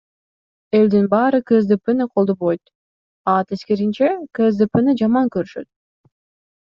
Элдин баары КСДПны колдобойт, а тескерисинче КСДПны жаман көрүшөт.